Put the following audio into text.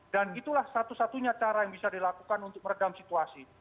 dan itulah satu satunya cara yang bisa dilakukan untuk meregam situasi